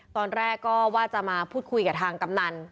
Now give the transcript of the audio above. ตอนแรกก็ว่าจะมาพูดคุยกับทางกำนัน